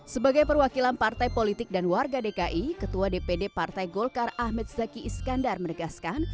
sebagai perwakilan partai politik dan warga dki ketua dpd partai golkar ahmed zaki iskandar menegaskan